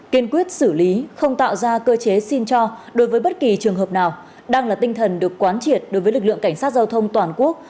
kiên quyết xử lý không tạo ra cơ chế xin cho đối với bất kỳ trường hợp nào đang là tinh thần được quán triệt đối với lực lượng cảnh sát giao thông toàn quốc